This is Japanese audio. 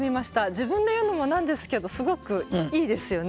自分でいうのもなんですけどすごくいいですよね。